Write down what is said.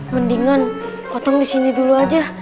mendingan potong di sini dulu aja